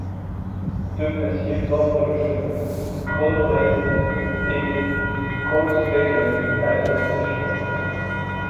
Deux glaciers bordent le chenal, Kronebreen et Kongsvegen, à la tête du fjord.